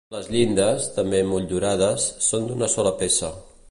Les llindes, també motllurades, són d'una sola peça.